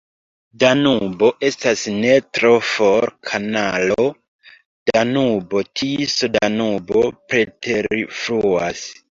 Danubo estas ne tro for, kanalo Danubo-Tiso-Danubo preterfluas.